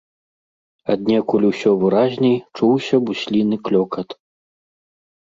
Аднекуль усё выразней чуўся бусліны клёкат.